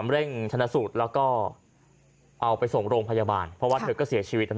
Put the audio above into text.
เร่งชนะสูตรแล้วก็เอาไปส่งโรงพยาบาลเพราะว่าเธอก็เสียชีวิต